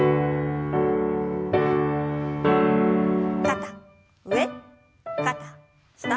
肩上肩下。